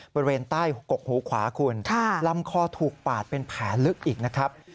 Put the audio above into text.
บริเวณใต้กกหูขวาคุณลำคอถูกปาดเป็นแผลลึกอีกนะครับ